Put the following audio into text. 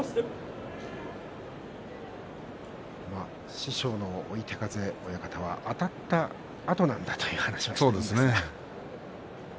師匠の追手風親方はあたったあとなんだという話をしていました。